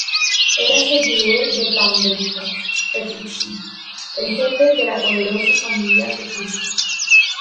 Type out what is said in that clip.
Era seguidor de Pandolfo Petrucci, el jefe de la poderosa familia Petrucci.